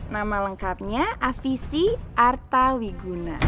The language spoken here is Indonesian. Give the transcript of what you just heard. nama lengkapnya afisi arta wiguna